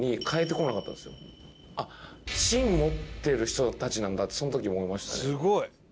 あっ芯持ってる人たちなんだってその時思いましたね。